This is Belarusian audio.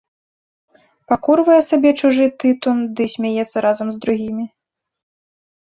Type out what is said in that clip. Пакурвае сабе чужы тытун ды смяецца разам з другімі.